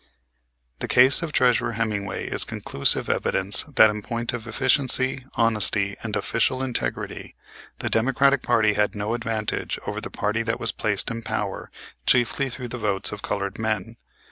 The case of Treasurer Hemmingway is conclusive evidence that in point of efficiency, honesty and official integrity the Democratic party had no advantage over the party that was placed in power chiefly through the votes of colored men.